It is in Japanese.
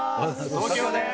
ＴＯＫＩＯです。